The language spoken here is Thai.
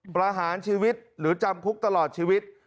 ประหารชีวิตหรือจำคุกตลอดชีวิต